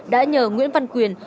đã nhờ nguyễn văn quyền